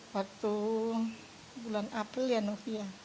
waktu bulan april ya novia